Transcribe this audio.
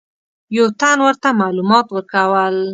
یو تن ورته معلومات ورکول.